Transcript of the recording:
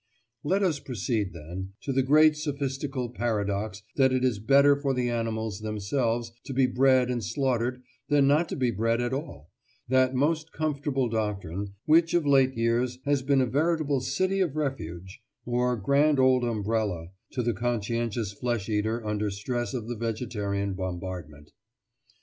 Let us proceed, then, to the great sophistical paradox that it is better for the animals themselves to be bred and slaughtered than not to be bred at all—that most comfortable doctrine which of late years has been a veritable city of refuge, or grand old umbrella, to the conscientious flesh eater under stress of the vegetarian bombardment.